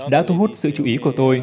đã thu hút sự chú ý của tôi